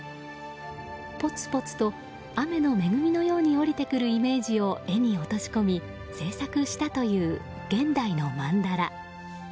ぽつぽつと雨の恵みのように降りてくるイメージを絵に落とし込み制作したという現代の曼荼羅。